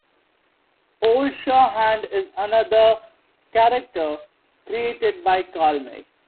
Old Surehand is another character created by Karl May.